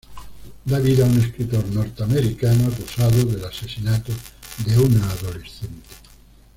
Da vida a un escritor norteamericano, acusado del asesinato de una adolescente.